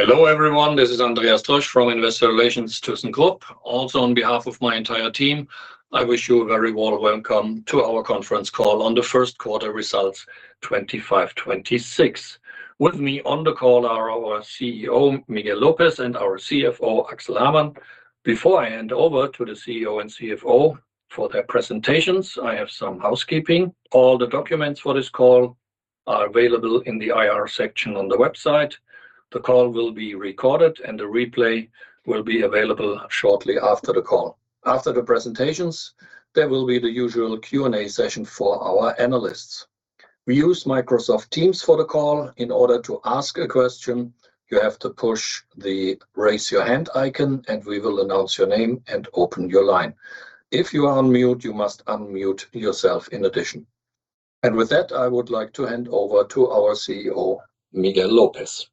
Hello, everyone. This is Andreas Troesch from Investor Relations, thyssenkrupp. Also, on behalf of my entire team, I wish you a very warm welcome to our conference call on the Q1 results, 2025, 2026. With me on the call are our CEO, Miguel López, and our CFO, Axel Hamann. Before I hand over to the CEO and CFO for their presentations, I have some housekeeping. All the documents for this call are available in the IR section on the website. The call will be recorded, and the replay will be available shortly after the call. After the presentations, there will be the usual Q&A session for our analysts. We use Microsoft Teams for the call. In order to ask a question, you have to push the Raise Your Hand icon, and we will announce your name and open your line. If you are on mute, you must unmute yourself in addition. With that, I would like to hand over to our CEO, Miguel López.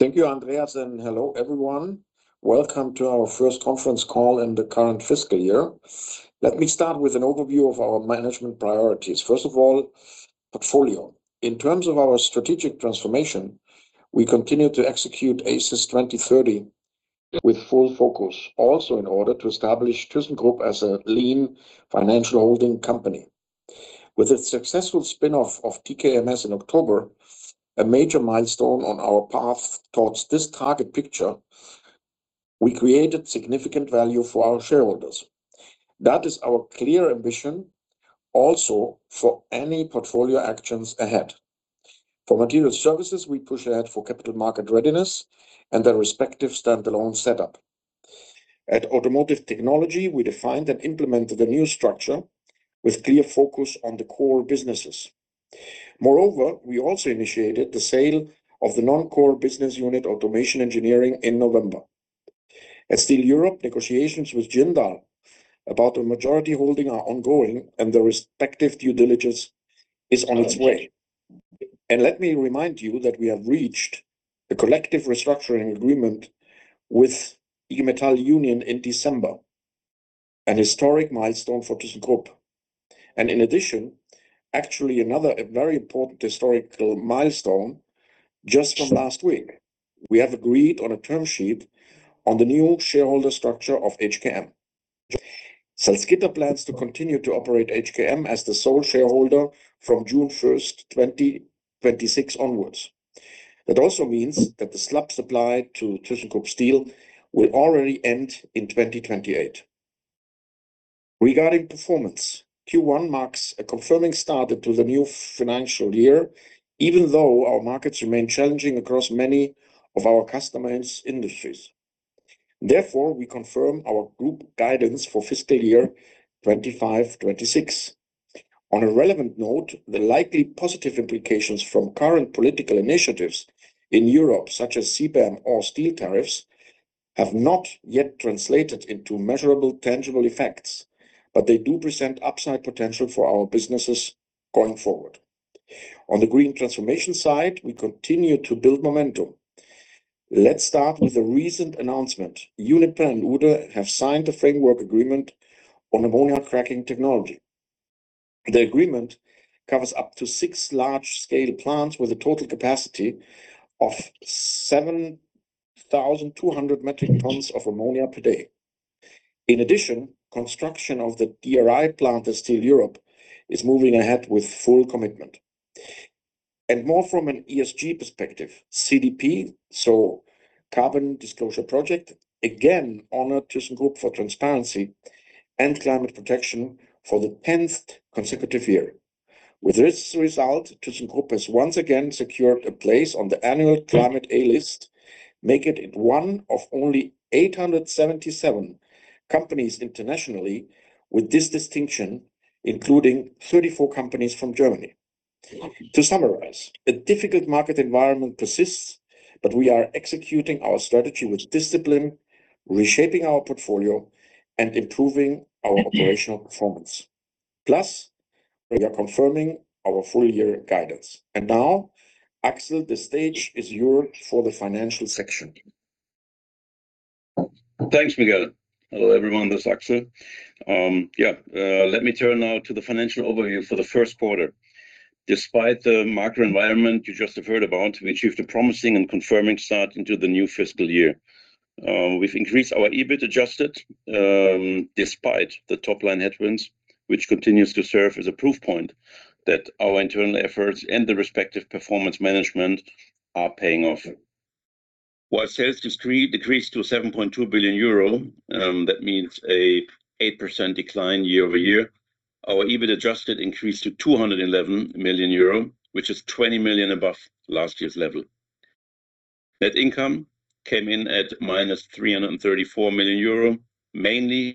Thank you, Andreas, and hello, everyone. Welcome to our first conference call in the current FY. Let me start with an overview of our management priorities. First of all, portfolio. In terms of our strategic transformation, we continue to execute ACES2030 with full focus, also in order to establish thyssenkrupp as a lean financial holding company. With a successful spin-off of TKMS in October, a major milestone on our path towards this target picture, we created significant value for our shareholders. That is our clear ambition, also for any portfolio actions ahead. For Material Services, we push ahead for capital market readiness and their respective standalone setup. At Automotive Technology, we defined and implemented a new structure with clear focus on the core businesses. Moreover, we also initiated the sale of the non-core business unit, Automation Engineering, in November. At thyssenkrupp Steel Europe, negotiations with Jindal about a majority holding are ongoing, and the respective due diligence is on its way. Let me remind you that we have reached a collective restructuring agreement with IG Metall in December, an historic milestone for thyssenkrupp. In addition, actually another, a very important historical milestone just from last week. We have agreed on a term sheet on the new shareholder structure of HKM. Salzgitter plans to continue to operate HKM as the sole shareholder from June 1, 2026 onwards. That also means that the slab supply to thyssenkrupp Steel Europe will already end in 2028. Regarding performance, Q1 marks a confirming start into the new financial year, even though our markets remain challenging across many of our customers' industries. Therefore, we confirm our group guidance for FY 2025, 2026. On a relevant note, the likely positive implications from current political initiatives in Europe, such as CBAM or steel tariffs, have not yet translated into measurable, tangible effects, but they do present upside potential for our businesses going forward. On the green transformation side, we continue to build momentum. Let's start with a recent announcement. Uniper and Uhde have signed a framework agreement on ammonia cracking technology. The agreement covers up to six large-scale plants with a total capacity of 7,200 metric tons of ammonia per day. In addition, construction of the DRI plant at thyssenkrupp Steel Europe is moving ahead with full commitment. More from an ESG perspective, CDP, so Carbon Disclosure Project, again honored thyssenkrupp for transparency and climate protection for the tenth consecutive year. With this result, thyssenkrupp has once again secured a place on the annual Climate A List, making it one of only 877 companies internationally with this distinction, including 34 companies from Germany. To summarize, a difficult market environment persists, but we are executing our strategy with discipline, reshaping our portfolio, and improving our operational performance. Plus, we are confirming our full-year guidance. Now, Axel, the stage is yours for the financial section. Thanks, Miguel. Hello, everyone, this is Axel. Let me turn now to the financial overview for the Q1. Despite the market environment you just have heard about, we achieved a promising and confirming start into the new FY. We've increased our EBIT adjusted, despite the top-line headwinds, which continues to serve as a proof point that our internal efforts and the respective performance management are paying off. While sales decreased to 7.2 billion euro, that means an 8% decline year-over-year, our EBIT adjusted increased to 211 million euro, which is 20 million above last year's level. Net income came in at -334 million euro, mainly- ...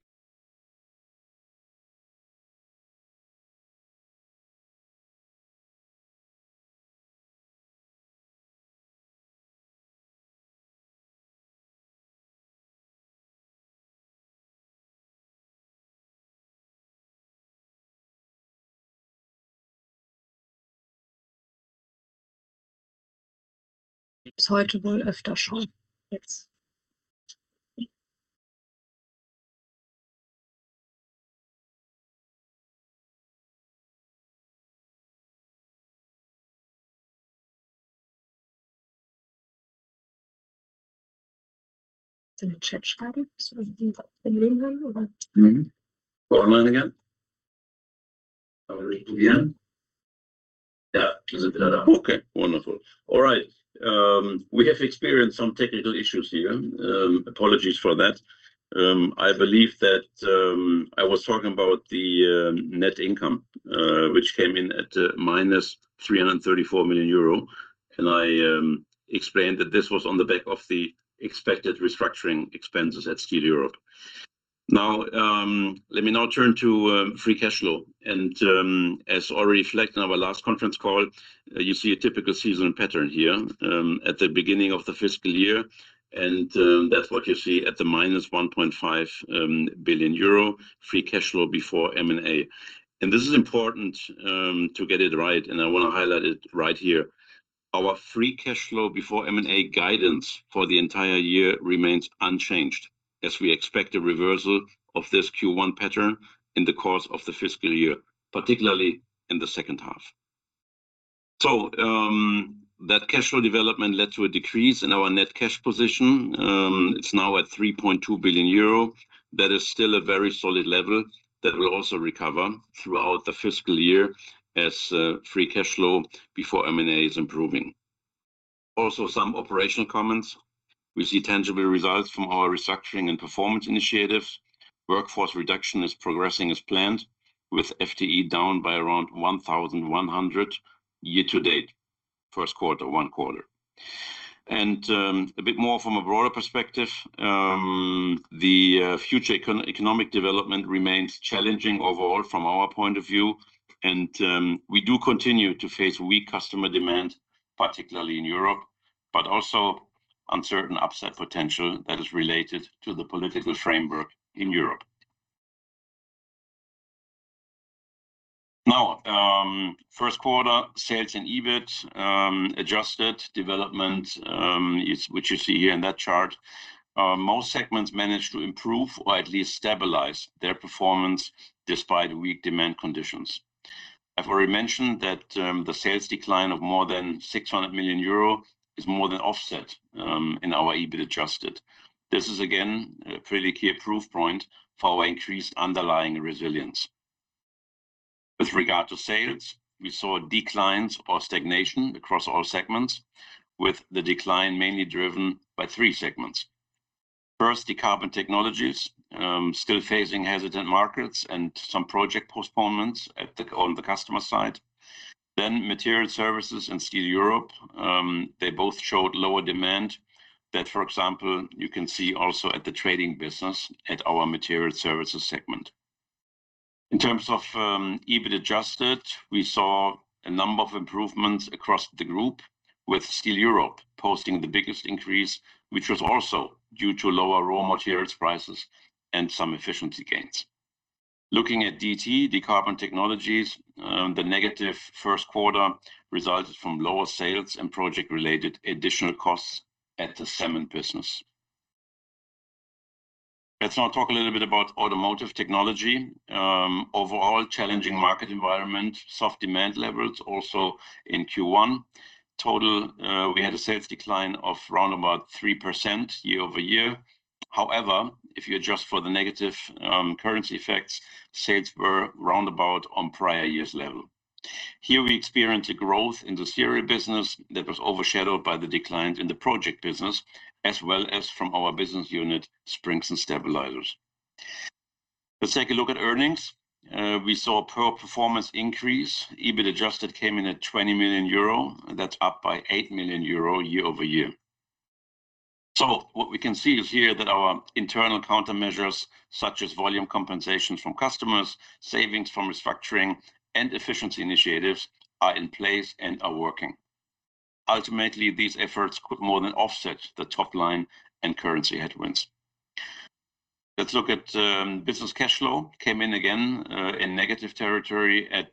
So we're online again? Are we in again? Okay, wonderful. All right, we have experienced some technical issues here. Apologies for that. I believe that I was talking about the net income, which came in at -334 million euro, and I explained that this was on the back of the expected restructuring expenses at Steel Europe. Now let me now turn to free cash flow. And as already reflected in our last conference call, you see a typical seasonal pattern here at the beginning of the FY, and that's what you see at the -1.5 billion euro free cash flow before M&A. And this is important to get it right, and I wanna highlight it right here. Our free cash flow before M&A guidance for the entire year remains unchanged, as we expect a reversal of this Q1 pattern in the course of the FY, particularly in the H2. So, that cash flow development led to a decrease in our net cash position. It's now at 3.2 billion euro. That is still a very solid level that will also recover throughout the FY as, free cash flow before M&A is improving. Also, some operational comments. We see tangible results from our restructuring and performance initiatives. Workforce reduction is progressing as planned, with FTE down by around 1,100 year to date, Q1, one quarter. A bit more from a broader perspective, the future economic development remains challenging overall from our point of view, and we do continue to face weak customer demand, particularly in Europe, but also uncertain upside potential that is related to the political framework in Europe. Now, Q1 sales and EBIT adjusted development is what you see here in that chart. Most segments managed to improve or at least stabilize their performance despite weak demand conditions. I've already mentioned that the sales decline of more than 600 million euro is more than offset in our EBIT adjusted. This is, again, a pretty key proof point for our increased underlying resilience. With regard to sales, we saw declines or stagnation across all segments, with the decline mainly driven by three segments. First, Decarbon Technologies still facing hesitant markets and some project postponements on the customer side. Then Materials Services and Steel Europe they both showed lower demand. That, for example, you can see also at the trading business at our Materials Services segment. In terms of EBIT adjusted, we saw a number of improvements across the group, with Steel Europe posting the biggest increase, which was also due to lower raw materials prices and some efficiency gains. Looking at DT, Decarbon Technologies, the negative Q1 resulted from lower sales and project-related additional costs at the cement business. Let's now talk a little bit about Automotive Technology. Overall challenging market environment, soft demand levels also in Q1. Total, we had a sales decline of round about 3% year-over-year. However, if you adjust for the negative, currency effects, sales were roundabout on prior year's level. Here we experienced a growth in the serial business that was overshadowed by the declines in the project business, as from our business unit, Springs and Stabilizers. Let's take a look at earnings. We saw a pro forma increase. EBIT adjusted came in at 20 million euro, and that's up by 8 million euro year-over-year. So what we can see is here that our internal countermeasures, such as volume compensation from customers, savings from restructuring, and efficiency initiatives, are in place and are working. Ultimately, these efforts could more than offset the top line and currency headwinds. Let's look at business cash flow. Came in again in negative territory at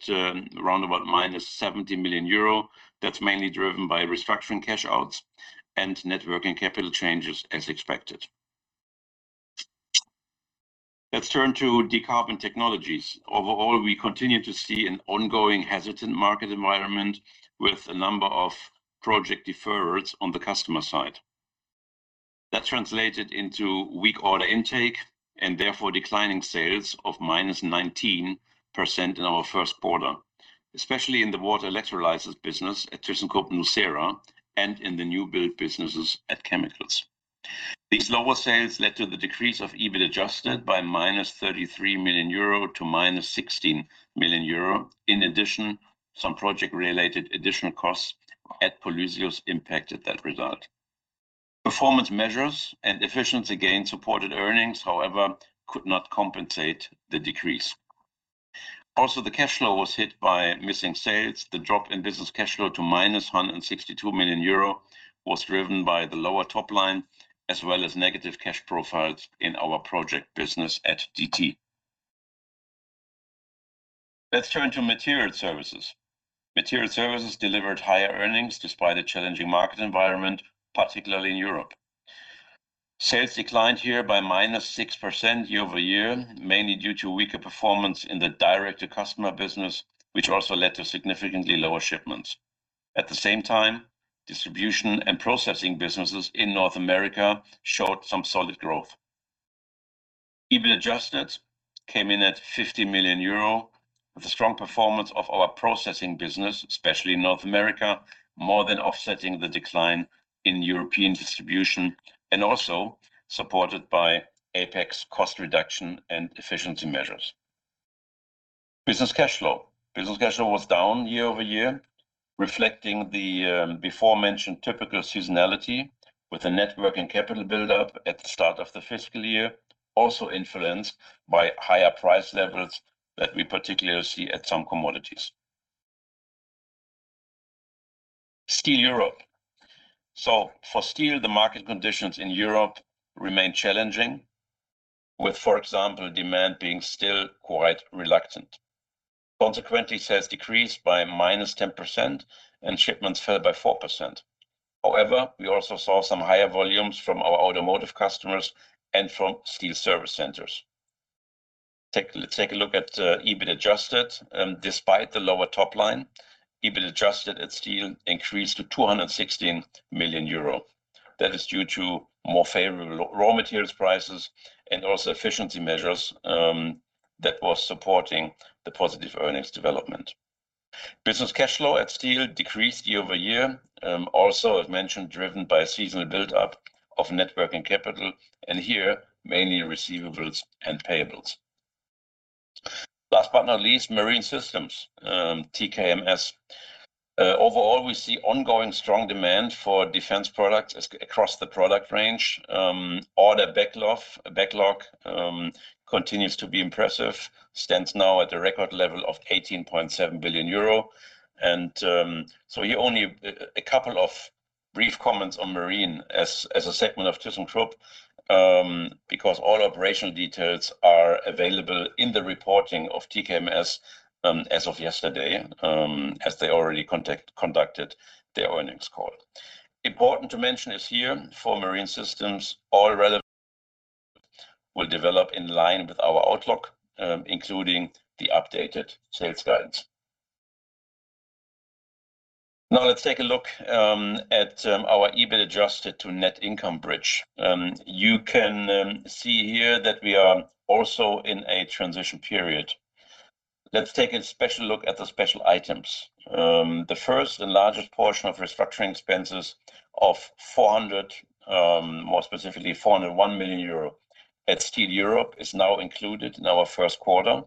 roundabout -70 million euro. That's mainly driven by restructuring cash outs and net working capital changes, as expected. Let's turn to Decarbon Technologies. Overall, we continue to see an ongoing hesitant market environment with a number of project deferrals on the customer side. That translated into weak order intake and therefore declining sales of -19% in our Q1, especially in the water electrolyzers business at thyssenkrupp nucera and in the new build businesses at Chemicals. These lower sales led to the decrease of EBIT adjusted by -33 million euro to -16 million euro. In addition, some project-related additional costs at Polysius impacted that result. Performance measures and efficiency gains supported earnings, however, could not compensate the decrease. Also, the cash flow was hit by missing sales. The drop in business cash flow to -162 million euro was driven by the lower top line, as negative cash profiles in our project business at DT. Let's turn to Materials Services. Materials Services delivered higher earnings despite a challenging market environment, particularly in Europe. Sales declined here by -6% year-over-year, mainly due to weaker performance in the direct-to-customer business, which also led to significantly lower shipments. At the same time, distribution and processing businesses in North America showed some solid growth. EBIT adjusted came in at 50 million euro, with the strong performance of our processing business, especially in North America, more than offsetting the decline in European distribution and also supported by APEX cost reduction and efficiency measures. Business cash flow. Business cash flow was down year-over-year, reflecting the before mentioned typical seasonality with the net working capital build-up at the start of the FY, also influenced by higher price levels that we particularly see at some commodities. Steel Europe. So for steel, the market conditions in Europe remain challenging with, for example, demand being still quite reluctant. Consequently, sales decreased by -10% and shipments fell by 4%. However, we also saw some higher volumes from our automotive customers and from steel service centers. Take, let's take a look at EBIT adjusted. Despite the lower top line, EBIT adjusted at Steel increased to 216 million euro. That is due to more favorable raw materials prices and also efficiency measures that was supporting the positive earnings development. Business cash flow at Steel decreased year-over-year, also, as mentioned, driven by a seasonal build-up of net working capital, and here, mainly receivables and payables. Last but not least, Marine Systems, TKMS. Overall, we see ongoing strong demand for defense products across the product range. Order backlog continues to be impressive, stands now at a record level of 18.7 billion euro. A couple of brief comments on Marine as a segment of thyssenkrupp, because all operational details are available in the reporting of TKMS, as of yesterday, as they already conducted their earnings call. Important to mention is here, for Marine Systems, all relevant will develop in line with our outlook, including the updated sales guidance. Now, let's take a look at our EBIT adjusted to net income bridge. You can see here that we are also in a transition period. Let's take a special look at the special items. The first and largest portion of restructuring expenses of 401 million euro at Steel Europe is now included in our Q1,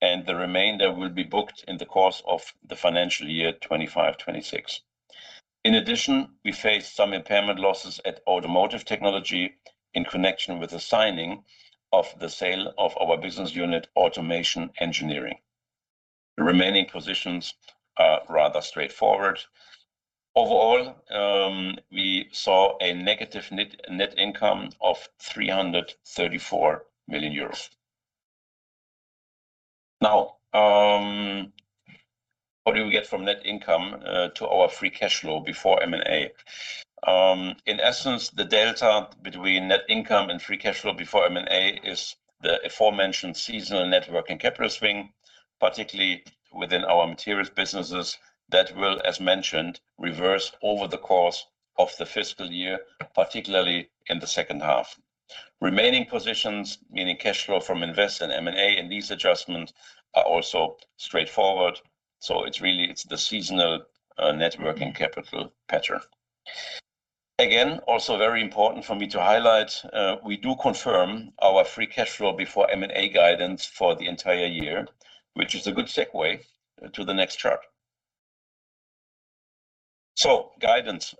and the remainder will be booked in the course of the financial year 2025, 2026. In addition, we face some impairment losses at Automotive Technology in connection with the signing of the sale of our business unit, Automation Engineering. The remaining positions are rather straightforward. Overall, we saw a negative net income of 334 million euros. Now, what do we get from net income to our free cash flow before M&A? In essence, the delta between net income and free cash flow before M&A is the aforementioned seasonal net working capital swing, particularly within our materials businesses, that will, as mentioned, reverse over the course of the FY, particularly in the H2. Remaining positions, meaning cash flow from invest and M&A and lease adjustments, are also straightforward, so it's really, it's the seasonal, net working capital pattern. Again, also very important for me to highlight, we do confirm our free cash flow before M&A guidance for the entire year, which is a good segue to the next chart. So, guidance.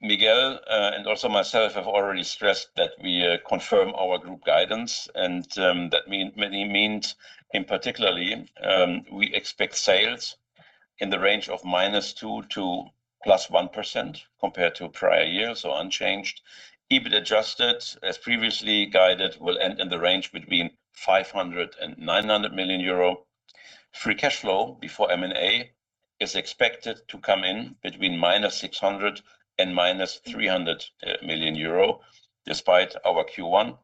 Miguel, and also myself, have already stressed that we, confirm our group guidance, and, that mainly means, in particular, we expect sales in the range of -2% to +1% compared to prior years, so unchanged. EBIT adjusted, as previously guided, will end in the range between 500 million euro and 900 million euro. Free cash flow before M&A is expected to come in between -600 million and -300 million euro, despite our Q1,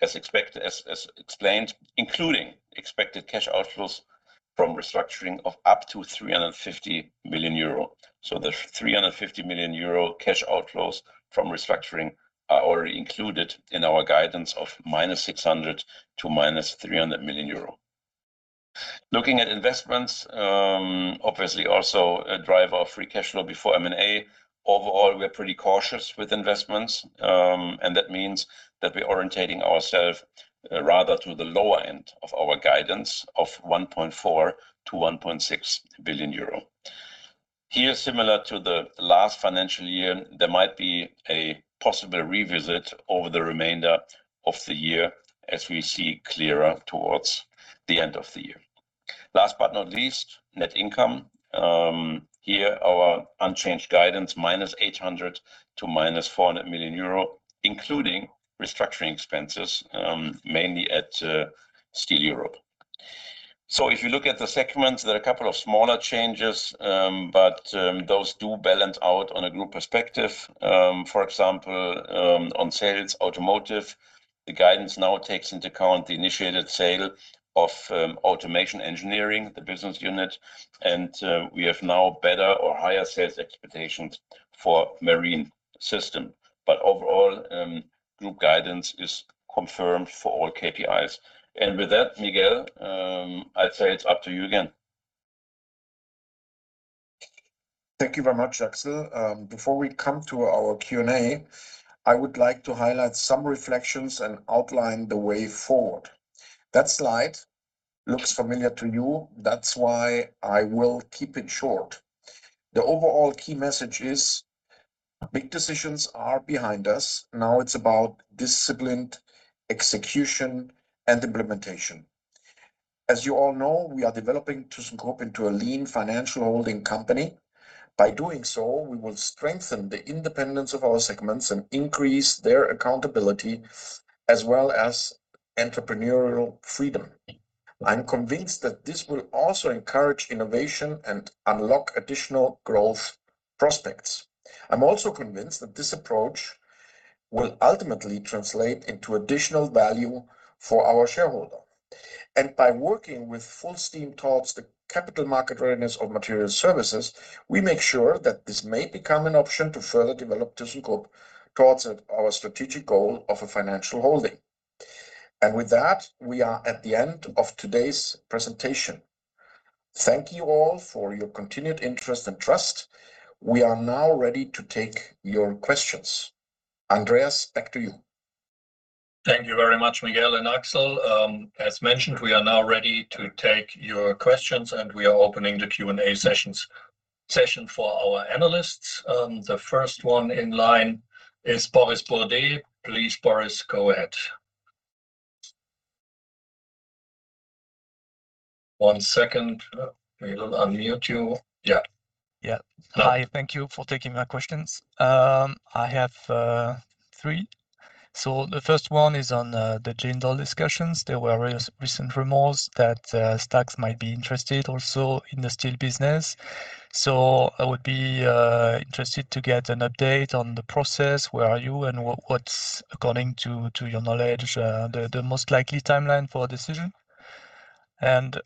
as expected, as explained, including expected cash outflows from restructuring of up to 350 million euro. So the 350 million euro cash outflows from restructuring are already included in our guidance of -600 million to -300 million euro. Looking at investments, obviously also a driver of free cash flow before M&A. Overall, we are pretty cautious with investments, and that means that we're orienting ourselves rather to the lower end of our guidance of 1.4 billion-1.6 billion euro. Here, similar to the last financial year, there might be a possible revisit over the remainder of the year as we see clearer towards the end of the year. Last but not least, net income. Here, our unchanged guidance, -800 million to -400 million euro, including restructuring expenses, mainly at Steel Europe. So if you look at the segments, there are a couple of smaller changes, but those do balance out on a group perspective. For example, on sales, automotive, the guidance now takes into account the initiated sale of Automation Engineering, the business unit, and we have now better or higher sales expectations for Marine System. But overall, group guidance is confirmed for all KPIs. And with that, Miguel, I'd say it's up to you again. Thank you very much, Axel. Before we come to our Q&A, I would like to highlight some reflections and outline the way forward. That slide looks familiar to you, that's why I will keep it short. The overall key message is, big decisions are behind us, now it's about disciplined execution and implementation. As you all know, we are developing thyssenkrupp into a lean financial holding company. By doing so, we will strengthen the independence of our segments and increase their accountability, as entrepreneurial freedom. I'm convinced that this will also encourage innovation and unlock additional growth prospects. I'm also convinced that this approach will ultimately translate into additional value for our shareholder. By working with full steam towards the capital market readiness of Materials Services, we make sure that this may become an option to further develop thyssenkrupp towards our strategic goal of a financial holding. And with that, we are at the end of today's presentation. Thank you all for your continued interest and trust. We are now ready to take your questions. Andreas, back to you. Thank you very much, Miguel and Axel. As mentioned, we are now ready to take your questions, and we are opening the Q&A session for our analysts. The first one in line is Boris Bourdet. Please, Boris, go ahead. One second. We will unmute you. Yeah. Go. Hi. Thank you for taking my questions. I have three. So the first one is on the Jindal discussions. There were recent rumors that Stax might be interested also in the steel business. So I would be interested to get an update on the process. Where are you, and what's, according to your knowledge, the most likely timeline for a decision? And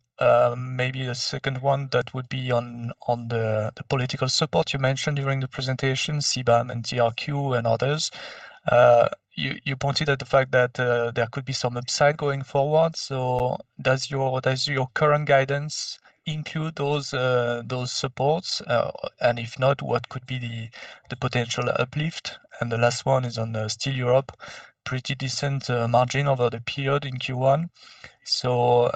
maybe a second one, that would be on the political support you mentioned during the presentation, CBAM and TRQ and others. You pointed out the fact that there could be some upside going forward. So does your current guidance include those supports? And if not, what could be the potential uplift? And the last one is on the Steel Europe. Pretty decent margin over the period in Q1. So,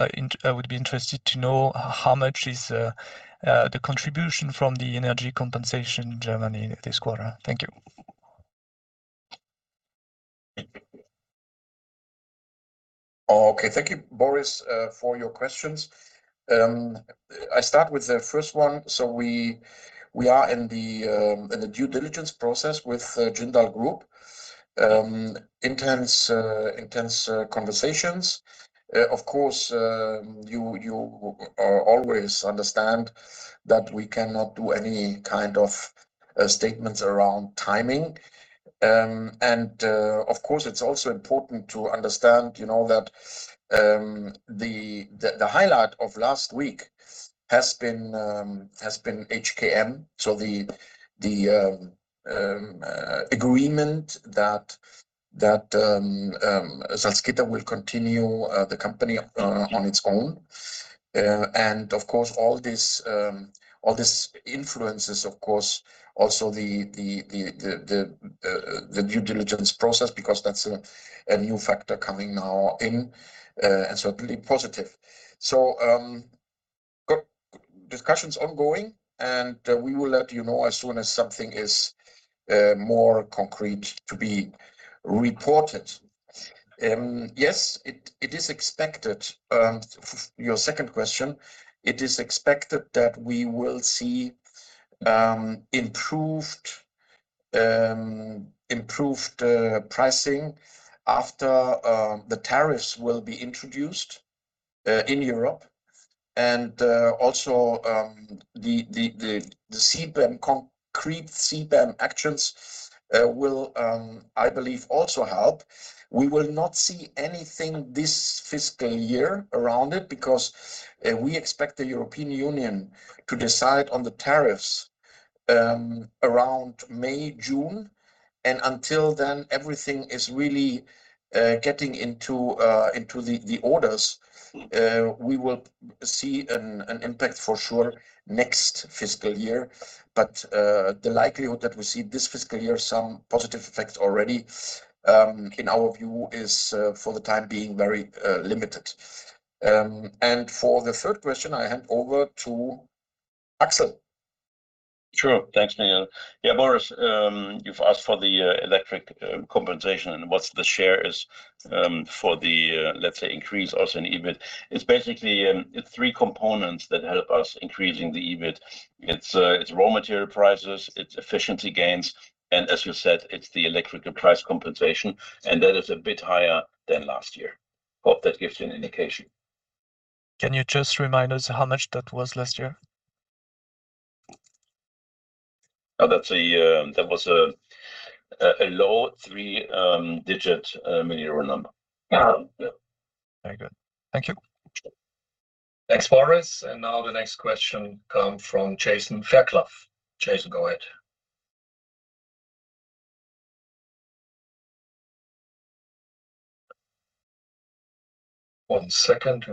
I would be interested to know how much is the contribution from the energy compensation in Germany this quarter? Thank you. Okay. Thank you, Boris, for your questions. I start with the first one. So we are in the due diligence process with Jindal Group. Intense conversations. Of course, you always understand that we cannot do any statements around timing. And of course, it's also important to understand, you know, that the highlight of last week has been HKM, so the agreement that Salzgitter will continue the company on its own. And of course, all this influences, of course, also the due diligence process, because that's a new factor coming now in, and certainly positive. So, got discussions ongoing, and we will let you know as soon as something is more concrete to be reported. Yes, it is expected, for your second question, it is expected that we will see improved pricing after the tariffs will be introduced in Europe. And also, the CBAM, concrete CBAM actions will, I believe, also help. We will not see anything this FY around it, because we expect the European Union to decide on the tariffs around May, June, and until then, everything is really getting into the orders. We will see an impact for sure next FY, but the likelihood that we see this FY some positive effects already, in our view, is for the time being very limited. And for the third question, I hand over to Axel. Sure. Thanks, Miguel. Boris, you've asked for the electric compensation and what's the shares for the, let's say, increase also in EBIT. It's basically, it's three components that help us increasing the EBIT. It's, it's raw material prices, it's efficiency gains, and as you said, it's the electrical price compensation, and that is a bit higher than last year. Hope that gives you an indication. Can you just remind us how much that was last year? That's a low 3-digit million EUR number. Very good. Thank you. Thanks, Boris. Now the next question comes from Jason Fairclough. Jason, go ahead. One second.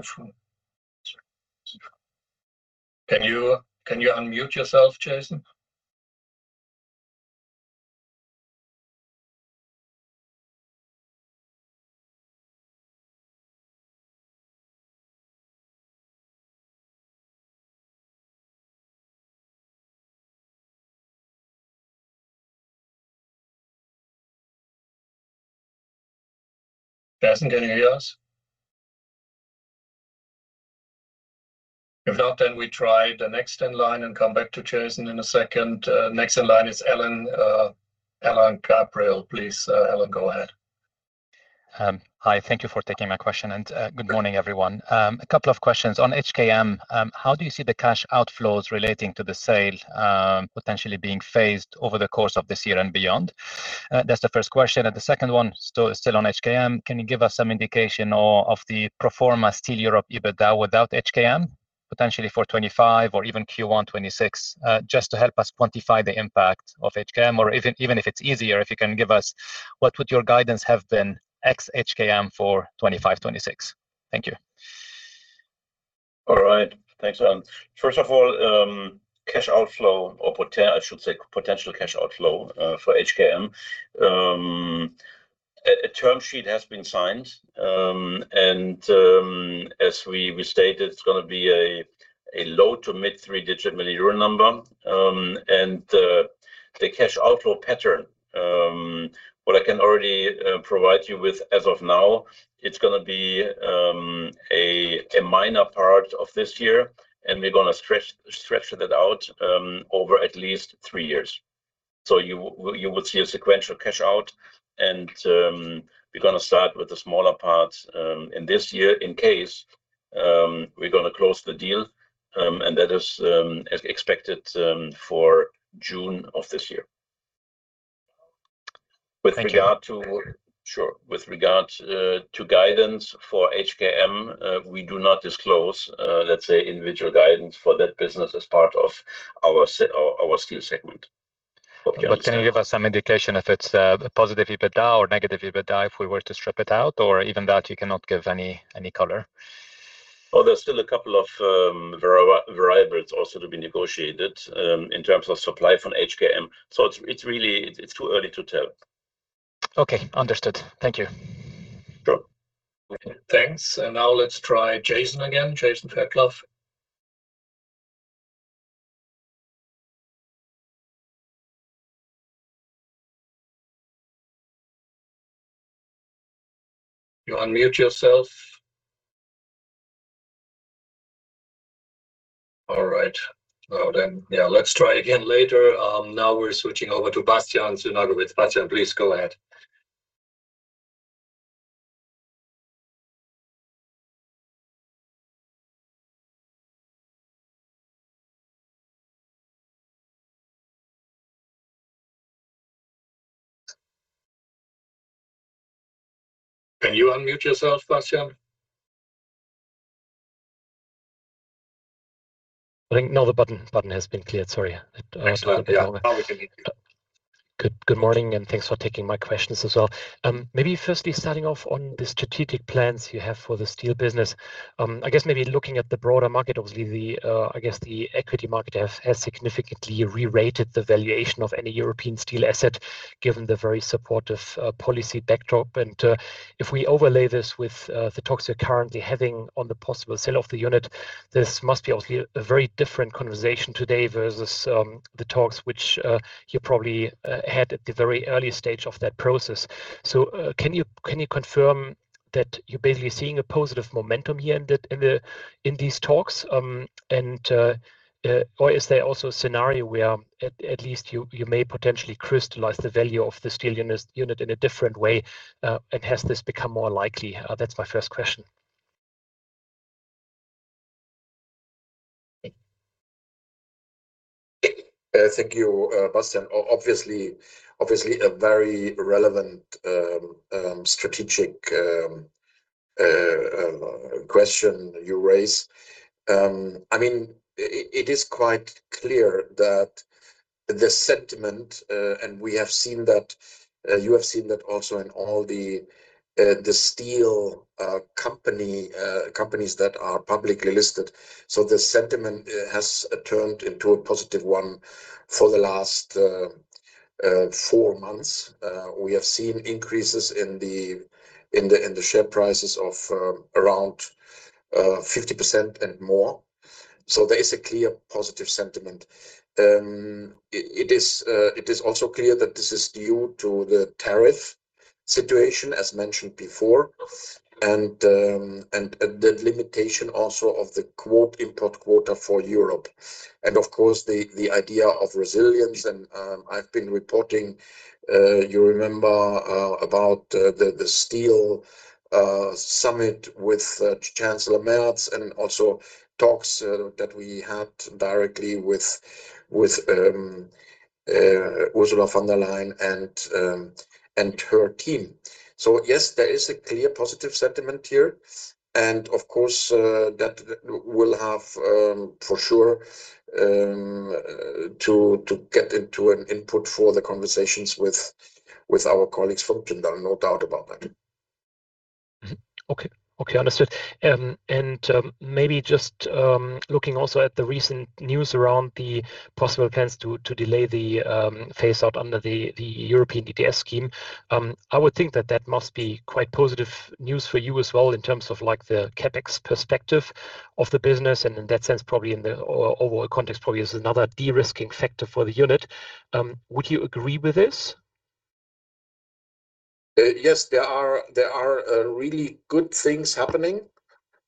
Can you, can you unmute yourself, Jason? Jason, can you hear us? If not, then we try the next in line and come back to Jason in a second. Next in line is Alain Gabriel. Please, Alain, go ahead. Hi. Thank you for taking my question, and good morning, everyone. A couple of questions. On HKM, how do you see the cash outflows relating to the sale, potentially being phased over the course of this year and beyond? That's the first question, and the second one, still on HKM. Can you give us some indication or of the pro forma Steel Europe EBITDA without HKM, potentially for 2025 or even Q1 2026? Just to help us quantify the impact of HKM, or even if it's easier, if you can give us what would your guidance have been ex HKM for 2025, 2026. Thank you. All right. Thanks, Alain. First of all, I should say potential cash outflow for HKM, a term sheet has been signed. And, as we stated, it's gonna be a low- to mid-three-digit million EUR number. And, the cash outflow pattern, what I can already provide you with as of now, it's gonna be a minor part of this year, and we're gonna stretch that out over at least 3 years. So you will see a sequential cash out, and, we're gonna start with the smaller parts in this year, in case we're gonna close the deal, and that is, as expected, for June of this year. Thank you. With regard to. Sure. With regard to guidance for HKM, we do not disclose, let's say, individual guidance for that business as part of our steel segment. Hope you understand. Okay. But can you give us some indication if it's a positive EBITDA or negative EBITDA, if we were to strip it out, or even that you cannot give any color? There's still a couple of variables also to be negotiated in terms of supply from HKM. So it's really too early to tell. Okay. Understood. Thank you. Sure. Thanks. Now let's try Jason again. Jason Fairclough. You unmute yourself. All right. Then, let's try again later. Now we're switching over to Bastian Synagowitz. Bastian, please go ahead. Can you unmute yourself, Bastian? I think now the button has been cleared. Sorry. Excellent. Now we can hear you. Good morning, and thanks for taking my questions as well. Maybe firstly, starting off on the strategic plans you have for the steel business. I guess maybe looking at the broader market, obviously, the equity market has significantly re-rated the valuation of any European steel asset, given the very supportive policy backdrop. And, if we overlay this with the talks you're currently having on the possible sale of the unit, this must be obviously a very different conversation today versus the talks which you probably had at the very earliest stage of that process. So, can you confirm that you're basically seeing a positive momentum here in these talks? Or is there also a scenario where at least you may potentially crystallize the value of the steel unit in a different way? And has this become more likely? That's my first question. Thank you, Bastian. Obviously, a very relevant strategic question you raise. I mean, it is quite clear that the sentiment and we have seen that, you have seen that also in all the steel companies that are publicly listed. So the sentiment has turned into a positive one for the last four months. We have seen increases in the share prices of around 50% and more. So there is a clear positive sentiment. It is also clear that this is due to the tariff situation, as mentioned before, and the limitation also of the quota import quota for Europe. Of course, the idea of resilience, and I've been reporting, you remember, about the steel summit with Chancellor Merz, and also talks that we had directly with Ursula von der Leyen and her team. So yes, there is a clear positive sentiment here, and of course, that will have, for sure, to get into an input for the conversations with our colleagues from Jindal, no doubt about that. Mm-hmm. Okay. Okay, understood. And maybe just looking also at the recent news around the possible plans to delay the phase-out under the European ETS scheme, I would think that that must be quite positive news for you in terms of, like, the CapEx perspective of the business, and in that sense, probably in the overall context, probably is another de-risking factor for the unit. Would you agree with this? Yes, there are really good things happening.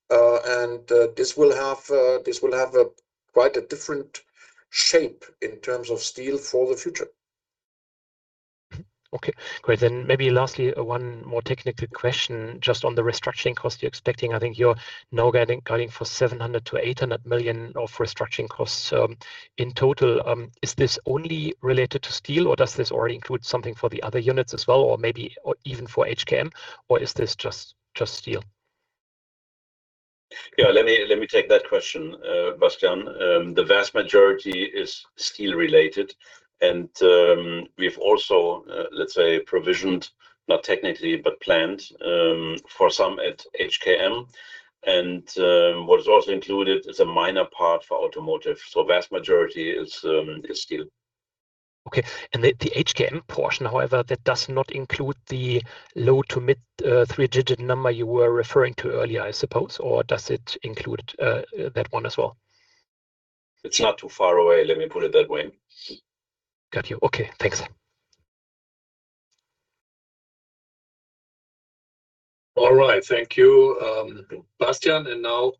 And this will have quite a different shape in terms of steel for the future. Mm-hmm. Okay, great. Then maybe lastly, one more technical question just on the restructuring costs you're expecting. I think you're now guiding for 700 million-800 million of restructuring costs in total. Is this only related to steel, or does this already include something for the other units, or maybe even for HKM, or is this just steel? Let me take that question, Bastian. The vast majority is steel-related, and we've also, let's say, provisioned, not technically, but planned, for some at HKM. And what is also included is a minor part for automotive, so vast majority is steel. Okay, and the, the HKM portion, however, that does not include the low to mid, three-digit number you were referring to earlier, I suppose, or does it include, that one? It's not too far away, let me put it that way. Got you. Okay, thanks. All right, thank you, Bastian, and now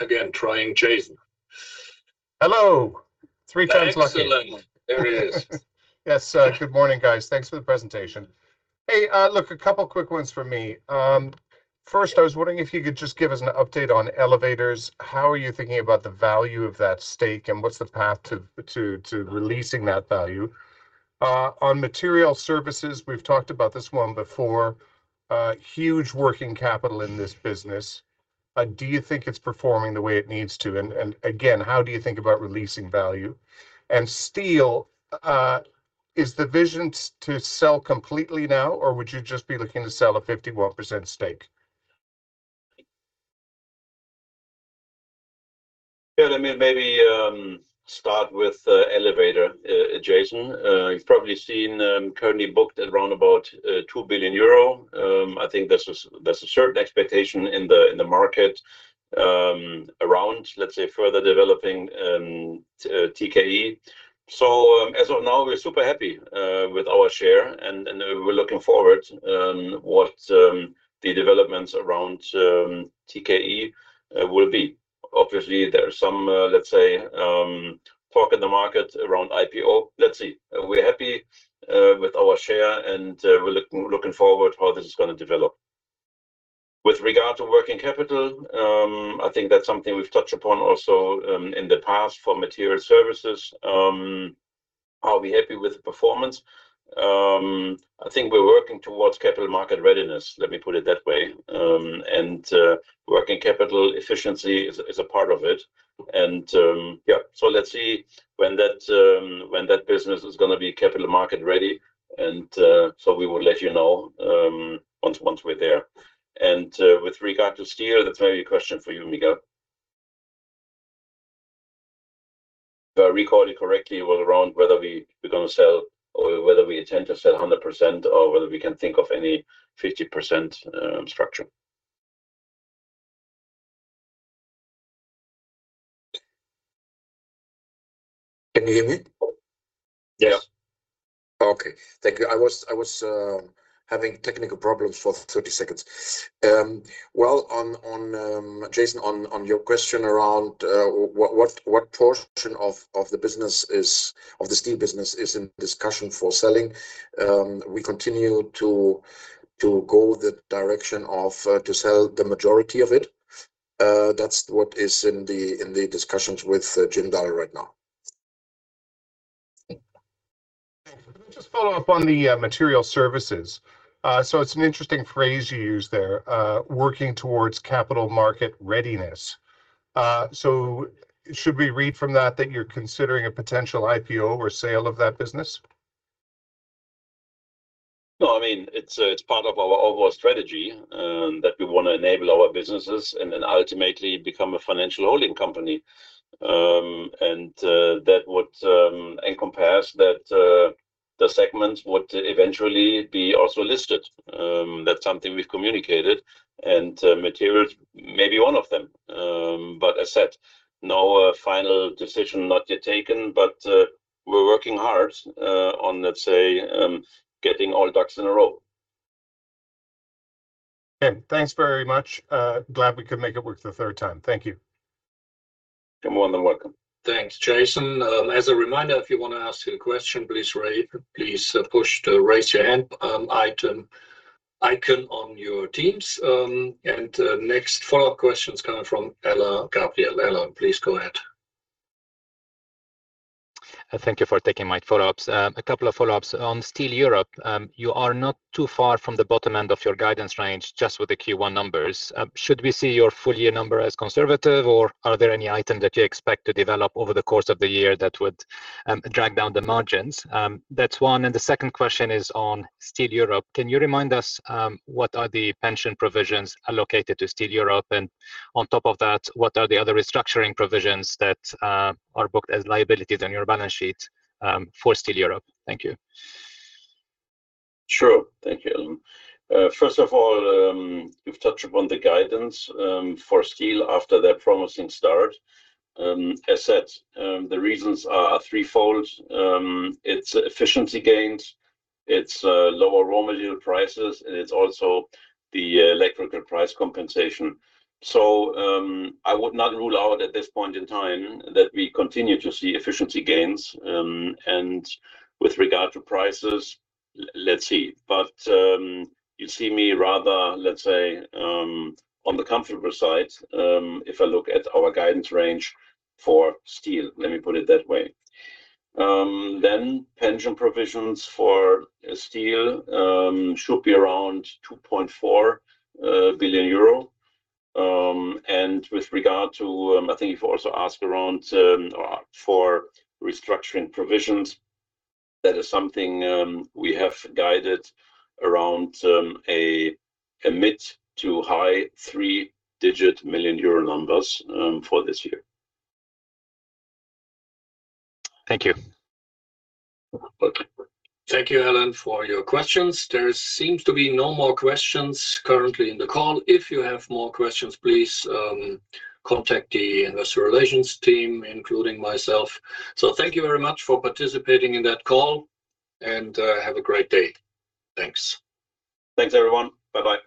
again, trying Jason. Hello. Three times lucky. Excellent. There he is. Yes, good morning, guys. Thanks for the presentation. Hey, look, a couple quick ones from me. First, I was wondering if you could just give us an update on elevators. How are you thinking about the value of that stake, and what's the path to releasing that value? On Materials Services, we've talked about this one before, huge working capital in this business. Do you think it's performing the way it needs to? And again, how do you think about releasing value? And Steel, is the vision to sell completely now, or would you just be looking to sell a 51% stake? Yeah, let me maybe start with elevator, Jason. You've probably seen currently booked at around about 2 billion euro. I think there's a certain expectation in the market around, let's say, further developing TKE. So, as of now, we're super happy with our share, and we're looking forward what the developments around TKE will be. Obviously, there are some, let's say, talk in the market around IPO. Let's see. We're happy with our share, and we're looking forward how this is gonna develop. With regard to working capital, I think that's something we've touched upon also in the past for material services. Are we happy with the performance? I think we're working towards capital market readiness, let me put it that way. And, working capital efficiency is a, is a part of it, and so let's see when that, when that business is gonna be capital market ready, and, so we will let you know, once, once we're there. And, with regard to steel, that's maybe a question for you, Miguel. If I recall it correctly, around whether we were gonna sell or whether we intend to sell 100%, or whether we can think of any 50%, structure. Can you hear me? Yeah. Yeah. Okay. Thank you. I was having technical problems for 30 seconds. On Jason, on your question around what portion of the steel business is in discussion for selling, we continue to go the direction of to sell the majority of it. That's what is in the discussions with Jindal right now. Just to follow up on the material services. So it's an interesting phrase you use there, "working towards capital market readiness." So should we read from that, that you're considering a potential IPO or sale of that business? No, I mean, it's part of our overall strategy that we want to enable our businesses and then ultimately become a financial holding company. And that would encompass that the segments would eventually be also listed. That's something we've communicated, and materials may be one of them. But as said, no final decision not yet taken, but we're working hard on, let's say, getting all ducks in a row. Okay. Thanks very much. Glad we could make it work the third time. Thank you. You're more than welcome. Thanks, Jason. As a reminder, if you wanna ask a question, please push the Raise Your Hand item icon on your Teams. Next follow-up question is coming from Alain Gabriel. Alain, please go ahead. Thank you for taking my follow-ups. A couple of follow-ups. On Steel Europe, you are not too far from the bottom end of your guidance range just with the Q1 numbers. Should we see your full year number as conservative, or are there any item that you expect to develop over the course of the year that would drag down the margins? That's one, and the second question is on Steel Europe. Can you remind us, what are the pension provisions allocated to Steel Europe? And on top of that, what are the other restructuring provisions that are booked as liabilities on your balance sheet, for Steel Europe? Thank you. Sure. Thank you, Alain. First of all, you've touched upon the guidance for Steel after that promising start. As said, the reasons are threefold. It's efficiency gains, it's lower raw material prices, and it's also the electrical price compensation. So, I would not rule out at this point in time that we continue to see efficiency gains. And with regard to prices, let's see. But you see me rather, let's say, on the comfortable side, if I look at our guidance range for Steel, let me put it that way. Then pension provisions for Steel should be around 2.4 billion euro. With regard to, I think you've also asked around for restructuring provisions, that is something we have guided around a mid- to high three-digit million EUR numbers for this year. Thank you. Okay. Thank you, Alain, for your questions. There seems to be no more questions currently in the call. If you have more questions, please, contact the investor relations team, including myself. Thank you very much for participating in that call, and have a great day. Thanks. Thanks, everyone. Bye-bye.